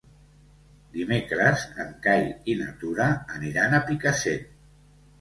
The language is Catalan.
Dimecres en Cai i na Tura aniran a Picassent.